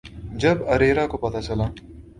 جب ارے راہ کو پتہ چلا